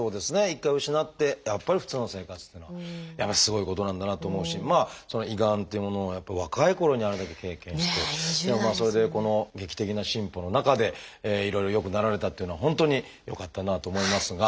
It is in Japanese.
一回失ってやっぱり普通の生活っていうのはやっぱりすごいことなんだなと思うし胃がんっていうものがやっぱり若いころにあれだけ経験してそれでこの劇的な進歩の中でいろいろ良くなられたっていうのは本当によかったなと思いますが。